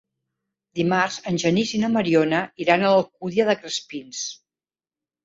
Dimarts en Genís i na Mariona iran a l'Alcúdia de Crespins.